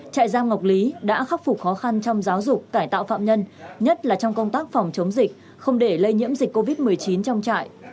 trại giam ngọc lý đã khắc phục khó khăn trong giáo dục cải tạo phạm nhân nhất là trong công tác phòng chống dịch không để lây nhiễm dịch covid một mươi chín trong trại